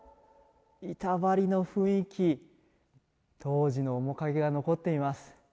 板張りの雰囲気当時の面影が残っています。